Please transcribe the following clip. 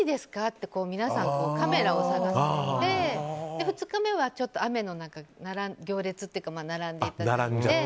って皆さんカメラを探してて２日目は雨の中、行列というか並んでいただいて。